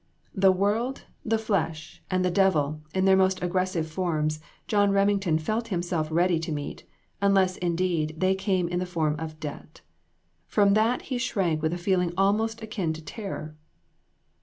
The "world, the INTRICACIES. 283 flesh and the devil," in their most aggressive forms, John Remington felt himself ready to meet, unless, indeed, they came in the form of debt; from that he shrank with a feeling almost akin to terror.